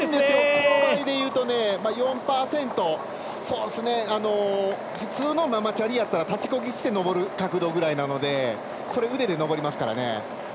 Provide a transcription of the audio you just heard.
勾配でいうと４％、普通のママチャリやったら立ちこぎして上る角度くらいなのでそれを腕で上りますからね。